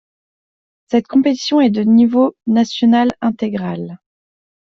Cette compétition est de niveau national intégral.